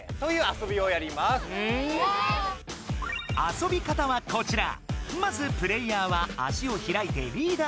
遊び方はこちら。